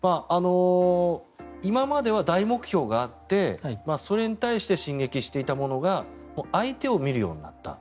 今までは大目標があってそれに対して進撃していたものが相手を見るようになった。